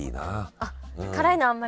あっ辛いのあんまり？